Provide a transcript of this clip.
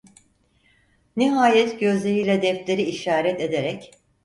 Nihayet gözleriyle defteri işaret ederek: